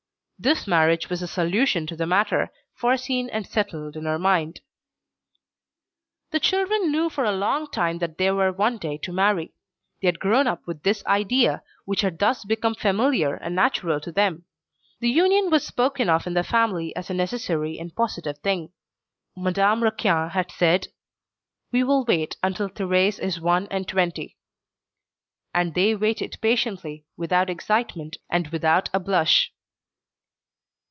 This marriage was a solution to the matter, foreseen and settled in her mind. The children knew for a long time that they were one day to marry. They had grown up with this idea, which had thus become familiar and natural to them. The union was spoken of in the family as a necessary and positive thing. Madame Raquin had said: "We will wait until Thérèse is one and twenty." And they waited patiently, without excitement, and without a blush.